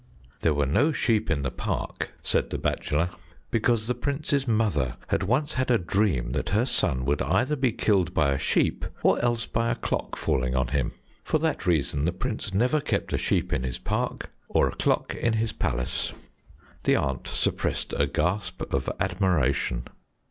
"There were no sheep in the park," said the bachelor, "because the Prince's mother had once had a dream that her son would either be killed by a sheep or else by a clock falling on him. For that reason the Prince never kept a sheep in his park or a clock in his palace." The aunt suppressed a gasp of admiration.